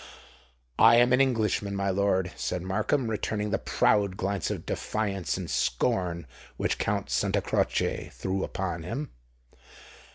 "I am an Englishman, my lord," said Markham, returning the proud glance of defiance and scorn which Count Santa Croce threw upon him.